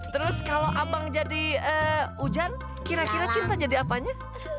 terus kalau abang jadi ujan kira kira cinta jadi apanya